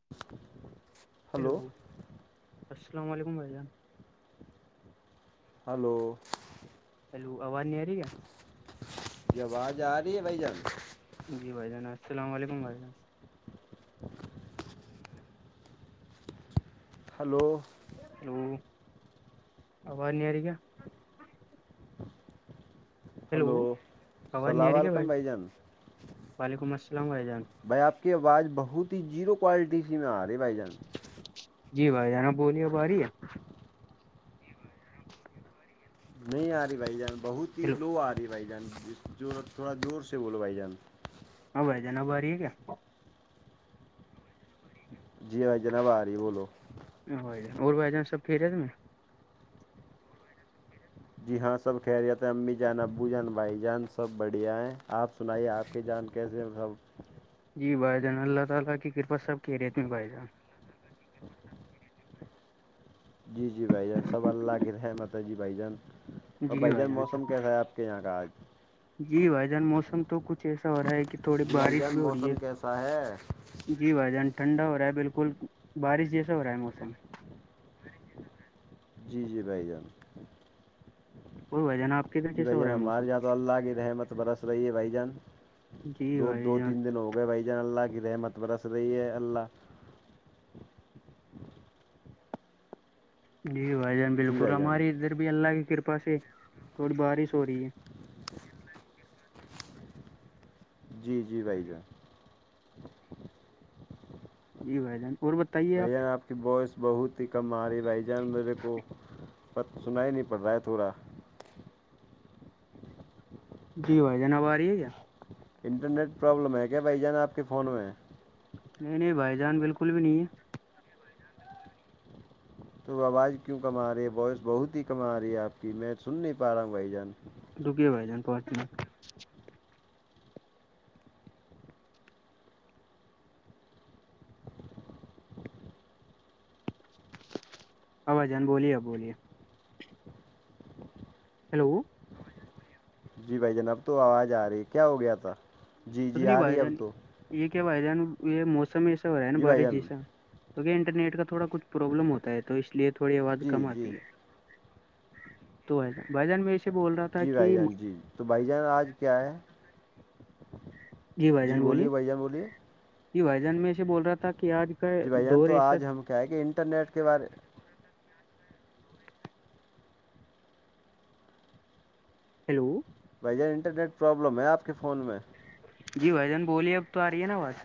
[inaudible] [unintelligible] hello hello آواز نہیں آ رہی کیا یہ آواز آ رہی ہے بھائی جب جی بھائی جان السلام علیکم بھائی جان ہلو ہو آواز نہیں آ رہی کیا ہیلو ہلو آواز نہیں آ السلام رہی کیا علیکم بھائی جان وعلیکم السلام بھائی جان بھائی آپ کی آواز بہت ہی جیرو کوالٹی سی میں آ رہی ہے بھائی جان جی بھائی جانب بولیے ا باری ہے [inaudible] نہیں آ رہی بھائی جان بہت ہی ہیلو لو آ رہی بھائی جان جو تھوڑا زور سے بولو بھائی جان ہاں بھائی جان باری ہے کیا [unintelligible] جی بھائی جناب آ رہی ہے بولو اور بائی چانس سبھی رہےت میں [unintelligible] جی ہاں سب کہہ رہےتےے امی جان ابو جان بائی جانس سب بڑھیا ہیں آپ سنائیے آپ کی جان کیسے مط سب [unintelligible] جی جی بھائی جان سب اللہ گ رحمت جی بھائی جان اور بھائی جان موسم کیسا ہے آپ کے یہاں کا آج جی بھائی جان موسم تو کچھ ایسا ہو رہا ہے کہ تھوڑی جی بھائی بارش جان بھی ہو رہی ہے موسم کیسا ہے جی بھائی جان ٹھنڈا ہو رہا ہے بالکل بارش جیسا ہو رہا ہے موسم جی جی بھائی جان وہ ب جان آپ [inaudible] جی بھائی رہا جان ہے موسم ہمارے یہاں تو اللہ کی رحمت برس رہی ہے بھائی جان جی دو بھائی دو جان تین دن ہوئے بھائی جان اللہ کی رحمت برس رہی ہے اللہ جی بھائی جان جی بالکل بھائی جان ہماری ادھر بھی اللہ کی کرپا سے تھوڑی بارش ہو رہی ہے جی جی بھائی جان یہ گ ج اور بت [unintelligible] بھیا آپ [inaudible] کہ بوائس بہت ہی کم آ رہی ہے بھائی جان میرے کو پت سنا ہی نہیں پڑ رہا ہے تھوڑا جی بھائی جانب آ رہی ہے کیا انٹرنیٹ پرابلم ہے کیا بھائی جانا آپ کے فون میں نہیں نہیں بھائی جان بالکل بھی نہیں ہے تو آواز کیوں کم آ رہی ہے ووائس بہت ہی کم آ رہی ہے آپ کی میں سن نہیں پا رہا ہوں بھائی جان لٹوکے بائی جان پتی میں [inaudible] ابا جان بولیے بولیے ہیلو جی بھائی جناب تو آواز آ رہی کیا ہو گیا تھا جی کچھ جی نہیں آ رہی بھائی ہے اب جان تو یہ کیا بھائی جان یہ موسم ایسا ہو رہا ہے نا جی بھائی بارش جان جیسا تو کیا انٹرنیٹ کا تھوڑا کچھ پرابلم ہوتا ہے تو اس لیئے تھوڑی آواز جی کم جی آتی ہے تو بھائی جان میں سے بول رہا تھا جی کہ بھائی جان جی تو بھائی جان آج کیا ہے جی بھائی جان بولیے بھائی جان بولیے جی بھائی جان میںے بول رہا تھا کہ آج کا جی بھائی جان دو تو رست آج ہم کیا ہے کہ انٹرنیٹ کے بارے ہیلو بھ جان انٹرنیٹ پرابلم ہے آپ کے فون میں جی بھ جان بولیے اب تو آ رہی ہے نا آاز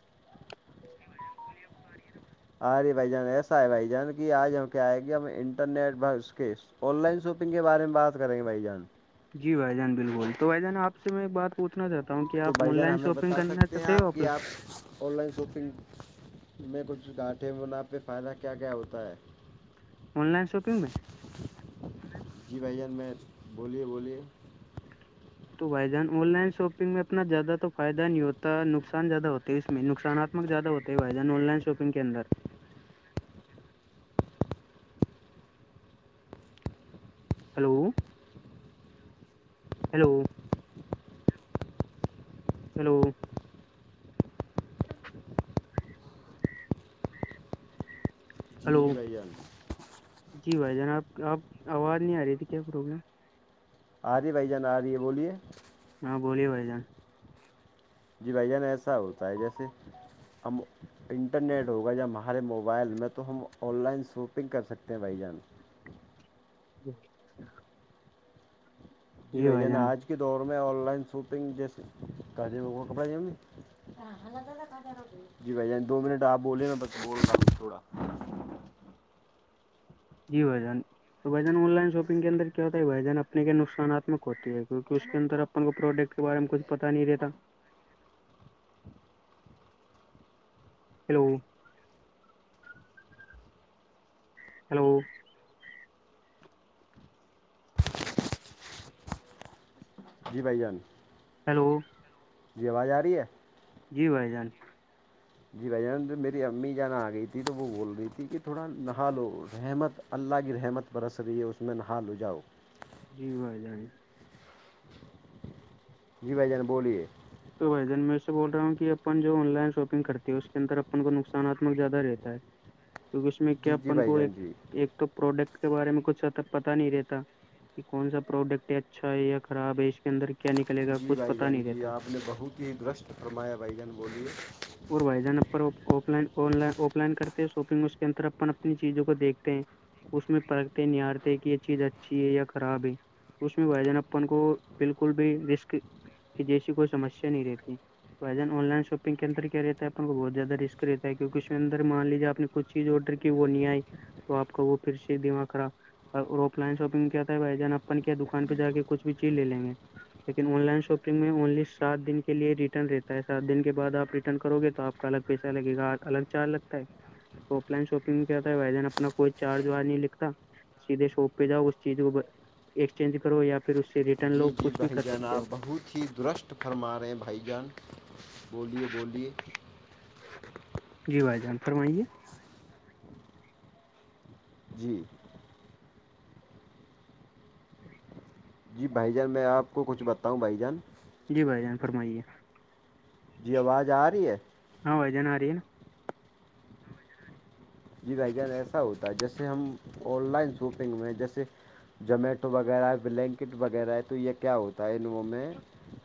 ارے بھائی جان ایسا ہے بھائی جان کی آج ہم کیا آئے گی ہم انٹرنیٹ بھر اس کے آن لائن شاپنگ کے بارے میں بات کریں گے بھائی جان جی بھائی جان بالکل تو بھائی جان آپ سے میں بات پوچھ چاہتا ہوں کہ تو آپ بھائی آن جان لائن ہمیں شاپنگ بتا کرنا سکتے ہیں چاہتے ہو آپ کہ لائن آپ آن لائن شاپنگ میں کچھ گاٹے وہن آپ پہ فائدہ کیا کیا ہوتا ہے آن لائن شاپنگ میں جی بھ جان میں بولیے بولیے تو بھائی جان آن لائن شاپنگ میں اپنا زیادہ تو فائدہ نہیں ہوتا نقصان زیادہ ہوتا ہے اس میں نقصانات زیاد ہوتے ہی بائی جان آن لائن شاپگ کے اندر ہلو ہیلو ہیلو ہلو جی بھائی جان جی بھائی جان آپ آپ آواز نہیں آ رہی تھی کیا پرابلم آ رہی ہے بھائی جان آ رہی ہے بولیے ہاں بولیے بھائی جان جی بھائی جانا ایسا ہوتا ہے جیسے ہم انٹرنیٹ ہوگا جب ہمارے موبائل میں تو ہم آن لائن شاپنگ کر سکتے ہیں بھائی جان [unintelligible] جی بھیا بھائی نا جان آج کے دور میں آن لائن شاپنگ جیسے کہ ج وہ کپڑے ج میں جی بھائی جان دو منٹ آپ بولے نا بس بول تھوڑا جی بھائی جان تو بھجن آن لائن شاپنگ کے اندر کیا ہوتا ہے بھجن اپنے کے نقصاناتتک ہوتی ہے کیونکہ اس کے اندر اپ کو پروڈکٹ کے بارے میں کچھ پتاہ نہیں رہتا ہیلو ہیلو جی بائیان ہیلو جی آواز آ رہی ہے جی بھائی جان جی بھائی جان جب میری امی جانا آ گئی تھی تو وہ بول رہی تھی کہ تھوڑا نہا لو رحمت اللہ کی رحمت برس رہی ہے اس میں نہا ل جاؤ جی بھائی جان جی بھ جان بولیے تو بھائی جان میں اس سے بول رہ ہوں کہ اپن جو آن لائن شاپگ کرتی ہے اس کے انر اپن کو نقصاناتمک زیادہ رہتا ہے کیکہ اس میں کیا جی جی اپن بھائی کو جان ایک جی ایک تو پروڈکٹ کے بارے میں کچھ تک پتا نہیں رہتا یہ کون سا پروڈکٹ ہے اچھا ہے یا خراب ہے اس کے اندر کیا نکلے گا کچھ پتا نہیں رہتا کی درشٹ فرمایا بھگن بولیے اور وحدان اپ آف لائن آف لائن کرتے ہیں شاپنگ اس کے انتر اپن اپنی چیزوں کو دیکھتے ہیں اس میں پرکھتے نہارتے کہ یہ چیز اچھی ہے یا خراب ہے اس میں بائی جان اپن کو بالکل بھی رسک جیسی کوئی سسیا نہیں رہتی وزن آن لائن شاپنگ کی انتر کی رہتا ہے اپ کو بہت زیادہ رسک رہتا ہے کیونک اس میں اندر مان لیجیے آ نے کچھ چیز آرڈر کی وہ نہیں آئی تو آپ کا وہ پھر سے دماغ خرا اور آف لائن شاپنگ کیاتا ہے بھائی جان اپن کیا دکان پہ جا کے کچھ بھی چیز لے لیں گے لیکن آن لائن شاپنگ میں اونلی سات دن کے لیے ریٹرن رہتا ہے سات دن کے بع آپ کرو گے تو آپ کا الگ پیسہ لگے گا الگ چارج لگتا ہے آف لائن شاپنگ کیاتا تھا وین اپنا کوئی چارج وارج نہیں لکھتا سھے شاپ پہ جاؤ اس چیز کو ایکسچینج کرو یا پھر اس سے جی لو جی کچھ بھی بھائی کر جان سکتے ہو آپ بہت ہی درست پٹ فرما رہے ہیں بھائی جان بولیے بولیے جی بھائی جان فرمائیے جی جی بھائی جان میں آپ کو کچھ بتاؤں بھائی جان جی بھائی جان فرمائیے جی آواز آ رہی ہے ہاں وہ جناوراری یہ بھائی جان ایسا ہوتا ہے جیسے ہم آن لائن شوپنگ میں جیسے جمیٹو وغیرہ بلینکٹ وغیرہ ہے تو یہ کیا ہوتا تعین وہ میں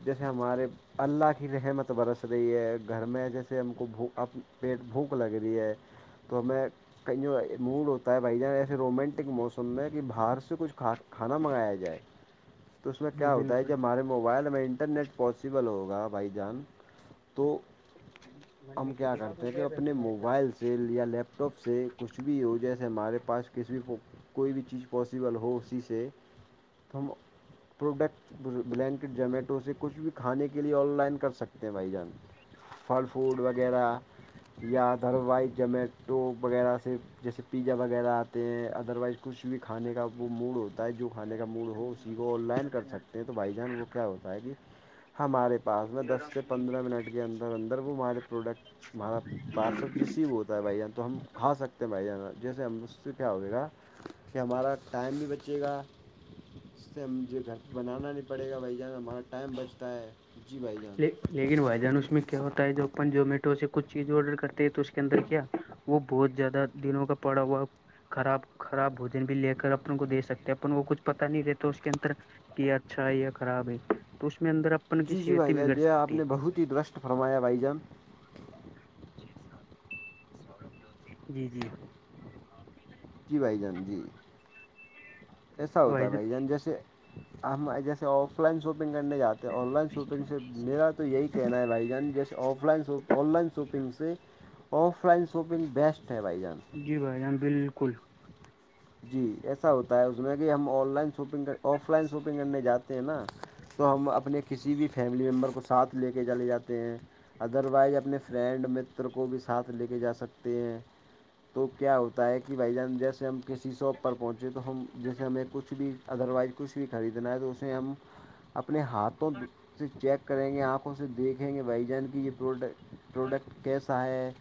جیسے ہمارے اللہ کی رحمت برس رہی ہے گھر میں جیسے ہم کو بھو پیٹ بھوک لگ رہی ہے تو میں یں موڈ ہوتا ہے بھائی جان ایسے رومانٹک موسم میں کہ باہر سے کچھ کھا کھانا منگایا جائے جائے تو اس میں جی کیا ہوتا ہے بالکل جب ہمارے موبائل ہمیں انٹرنیٹ پاسبل ہوگا بھائی جان تو ہم کیا کرتے ہیں کہ اپنے موبائل سے یا لیپ ٹپ سے کچھ بھی ہو جیسے ہمارے پاس کسی بھی کوئی بھی چیز پاسبل ہو اسی سے ہم پروڈکٹ بلینکٹ زومیٹو سے کچھ بھی کھانے کے لیے آن لائن کر سکتے ہیں بھائی جان پھل فوڈ وغیرہ یا دھروائی جمیٹو وغیرہ سے جیسے پیزا وغیرہ آتے ہیں ادر وائز کچھ بھی کھانے کا وہ موڈ ہوتا ہے جو کھانے کا موڈ ہو اسی کو آن لائن کر سکتے ہیں تو بھائی جان وہ کیا ہوتا ہے کہ ہمارے پاس میں دس سے پندرہ منٹ کے اندر اندر وہ ہمارے پروڈکٹ ہمارا پارسل ریسیو ہوتا ہے بھائی تو ہم کھا سکتے ہیں بھائی جانا جیسے ہم اسھ سے کیا ہوگے گا کہ ہمارا ٹائم بھی بچے گا اس سے مجھے گھر پہ بنانا نہیں پڑے گا بھائی جان ہمارا ٹائم بچتا ہے جی بھائی جان لیکن وھائیدان اس میں کیا ہوتا ہے جو اپن زمیٹو سے کچھ چیز آرڈر کرتے ہیں تو اس کے اندر کیا وہ بہت زیادہ دنوں کا پڑا ہوا خراب خراب بوجن بھی لے کر اپن کو دے سکتے ہیں اپن کو کچھ پتا نہیں رہتا اس کے اندر کہ اچھا ہے یا خراب ہے تو اس میں اندر اپن کی جی جی صحت ہی بھائی بگڑ آپ سکتی نے ہے بہت ہی درشٹ فرمایا بھائی جان جی جی جی بھائی جان جی ایسا ہوتا ہے بھائی جان جیسے جیسے آف لائن شاپنگ کرنے جاتے ہیں آن لائن شاپنگ سے میرا تو یہی کہنا ہے بھائی جان جیسے offline shopping online shopping سے [inaudible] آف لائن شاپنگ بیسٹ ہے بھائی جان جی بھائی جاں بالکل جی ایسا ہوتا ہے اس میں کہ ہم آن لائن شاپنگ کر آف لائن شاپنگ کرنے جاتے ہیں نا تو ہم اپنے کسی بھی فیملی ممبر کو ساتھ لے کے چلے جاتے ہیں ادروائز اپنے فرینڈ متر کو بھی ساتھ لے کے جا سکتے ہیں تو کیا ہوتا ہے کہ بھائی جان جیسے ہم کسی شاپ پر پہنچے تو ہم جیسے ہمیں کچھ بھی ادر وائز کچھ بھی خریدنا ہے تو اسے ہم ہ اپنے ہاتھوں سے چیک کریں گے آنکھوں سے دیکھیں گے بھائی جان کی یہ پروڈکٹ پروڈکٹ کیسا ہے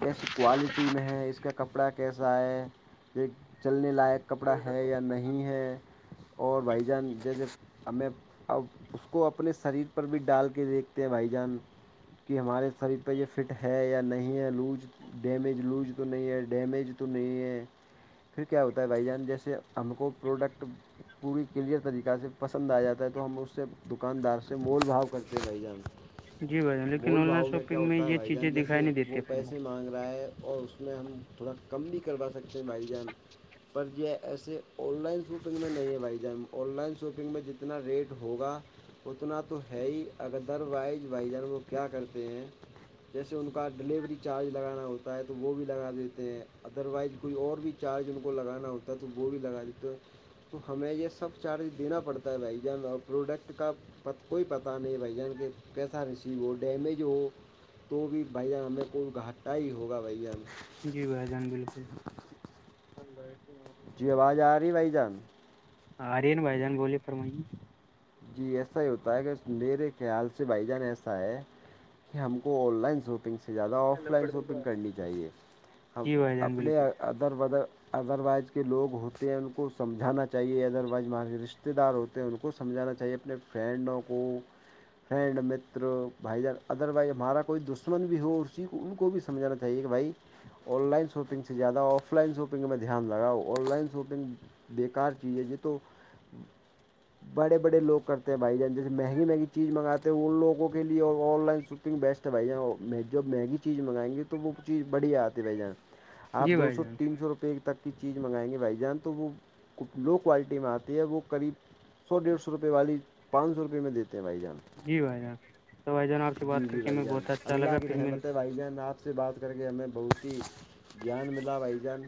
کیسی کوالٹی میں ہے اس کا کپڑا کیسا ہے یہ چلنے لائق کپڑا ہے یا نہیں ہے اور بھائی جان جیسے اب میں اب اس کو اپنے شریر پر بھی ڈال کے دیکھتے ہیں بھائی جان کہ ہمارے شریر پہ یہ فٹ ہے یا نہیں ہے لوج ڈیمیج لوج تو نہیں ہے ڈیمیج تو نہیں ہے پھر کیا ہوتا ہے بھائی جان جیسے ہم کو پروڈکٹ پوری کلیئر طریقہ سے پسند آ جاتا ہے تو ہم اس سے دکاندار سے مول بھاؤ کرتے رہ جان جی بھائی جان لیکن بھول آن لائن بھاؤ میں کیا شاپنگ ہوتا ہے یہ بھائی چیزیں جان دکھائی جیسے نہیں دیتی وہ اپن کو پیسے مانگ رہا ہے اور اس کو اپنا ہم تھوڑا کم بھی کروا سکتے ہیں بھائی جان پر یہ ایسے آن لائن شاپنگ میں نہیں ہے بھائی جان آن لائن شاپنگ میں جتنا ریٹ ہوگا اتنا تو ہے ہی ادر وائز وائزر وہ کیا کرتے ہیں جیسے ان کا ڈیلیوری چارج لگانا ہوتا ہے تو وہ بھی لگا دیتے ہیں ادروائز کوئی اور بھی چارج ان کو کو لگانا ہوتا ہے تو وہ بھی لگا دیتے تو ہمیں یہ سب چارج دینا پڑتا ہے بھائی جان اور پروڈکٹ کا پت کوئی پتا نہیں بھائی جان کہ کیسا ریسیو ہو ڈیمیج ہو تو بھی بھیا ہمیں کوئی گھٹا ہی ہوگا بھیا جی بھائی جان بالکل جی آواز آ رہی بھائی جان آرین بھائی جان بوولے فرمائیے جی ایسا ہی ہوتا ہے کہ میرے خیال سے بھائی جان ایسا ہے کہ ہم کو آن لائن سو شاپنگ سے زیادہ آف لائن شاپنگ کرنی چاہیے ہم جی بھائی جان اپنے بالکل ادر ودر ادروائز کے لوگ ہوتے ہیں ان کو سمجھانا چاہیے ادروائز ہمارے رشتے دار ہوتے ہیں ان کو سمجھانا چاہیے اپنے فرینڈوں کو فرینڈ متر بھائی جان ادر وائز ہمارا کوئی دشمن بھی ہو اسی کو ان کو بھی سجھانا چاہے کہ بھائی آن لائن شاپنگ سے زیادہ آف لائن شاپنگ میں دھیان رہگا آن لائن شاپنگ بیکار چیز ہے یہ تو بڑے بڑے لوگ کرتے ہیں بھائی جان جیسے مہنگی مہنی چیز منگاتے ہیں ان لوگوں کے لیے اور آن لائن تھنک بیسٹ ہے بھائی جوب میگی چیز منگیں گے تو وہ چیز بڑیا آتی ہے بھی جائیں آپ جی دو بھائی سو جان تین سو روپئے تک کی چیز منگائیں گے بھائی جان تو وہ کچھ لو کوالٹی میں آتے ہے وہ کبھیب سو ڈیڑھ سوپئےے والی پانچ سو روپئے میں دیتے ہیں بھائی جان جی بھائی جان تو بھائی جان آپ سے جی بات کر جی کے بھائی ہمیں جان بہت اچھا اللہ لگا کی پھر مل رحمت ہے بھائی جان آپ سے بات کر کے ہمیں بہت ہی جیان ملا بھائی جان